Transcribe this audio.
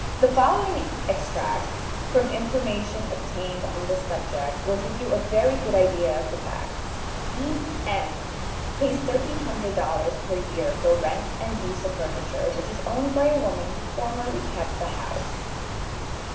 The following extracts from information obtained on this subject will give a very good idea of the facts: E. M. pays $1300 per year for rent and use of furniture, which is owned by a woman who formerly kept the house.